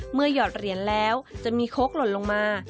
หยอดเหรียญแล้วจะมีโค้กหล่นลงมา